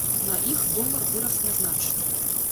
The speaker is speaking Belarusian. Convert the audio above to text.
На іх долар вырас нязначна.